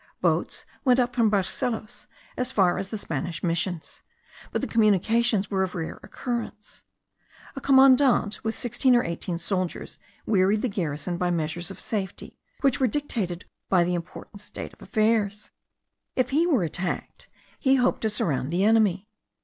Boats went up from Barcelos as far as the Spanish missions, but the communications were of rare occurrence. A commandant with sixteen or eighteen soldiers wearied the garrison by measures of safety, which were dictated by the important state of affairs; if he were attacked, he hoped to surround the enemy.